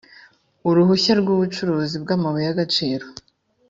uruhushya rw ubucukuzi bw amabuye y agaciro